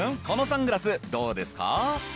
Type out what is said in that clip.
このサングラスどうですか？